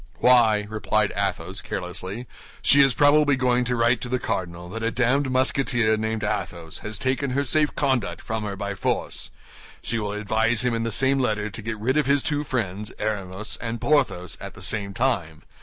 "Why," replied Athos, carelessly, "she is probably going to write to the cardinal that a damned Musketeer, named Athos, has taken her safe conduct from her by force; she will advise him in the same letter to get rid of his two friends, Aramis and Porthos, at the same time.